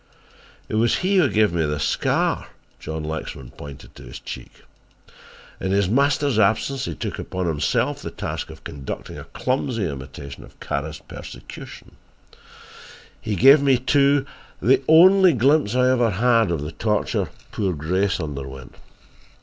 "It was he who gave me this scar," John Lexman pointed to his cheek. "In his master's absence he took upon himself the task of conducting a clumsy imitation of Kara's persecution. He gave me, too, the only glimpse I ever had of the torture poor Grace underwent.